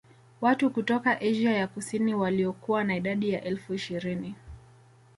Watu kutoka Asia ya Kusini waliokuwa na idadi ya elfu ishirini